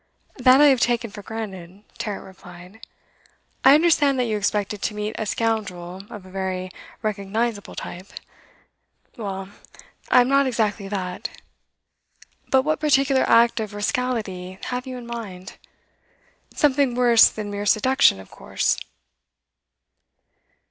'That I have taken for granted,' Tarrant replied. 'I understand that you expected to meet a scoundrel of a very recognisable type. Well, I am not exactly that. But what particular act of rascality have you in mind? Something worse than mere seduction, of course.